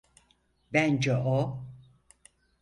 Bence o…